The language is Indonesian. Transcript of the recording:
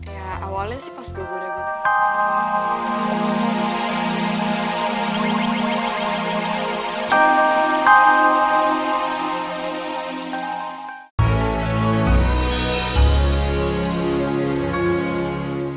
ya awalnya sih pas gue bodoh bodoh